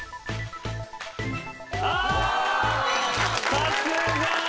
さすが！